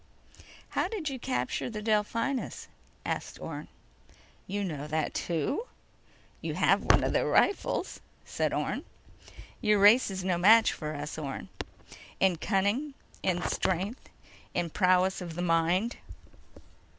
"How did you capture the Delphinus?" asked Orne. "You know that, too?" "You have one of their rifles," said Orne. "Your race is no match for us, Orne ... in cunning, in strength, in the prowess of the mind.